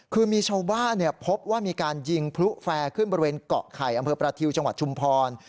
คือมีชาวบ้านพบว่ามีการยิงพลุแฟร์ขึ้นบริเวณเกาะไข่อำเภอประทิวจังหวัดชุมพร